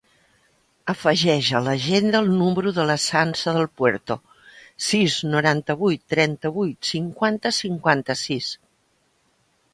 Afegeix a l'agenda el número de la Sança Del Puerto: sis, noranta-vuit, trenta-vuit, cinquanta, cinquanta-sis.